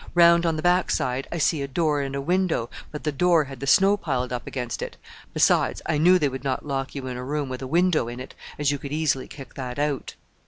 Round on the back side I see a door and a window, but the door had the snow piled up against it besides, I knew they would not lock you in a room with a window in it, as you could easily kick that out.